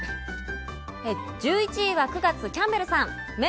１１位は９月キャンベルさん。